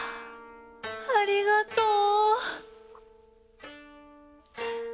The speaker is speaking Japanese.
ありがとう！